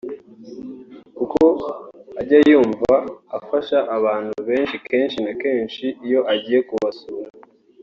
kuko ajya yumva afasha abantu benshi kenshi na kenshi iyo yagiye ku basura